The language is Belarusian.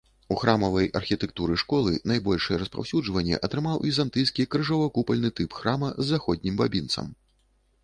У храмавай архітэктуры школы найбольшае распаўсюджванне атрымаў візантыйскі крыжова-купальны тып храма з заходнім бабінцам.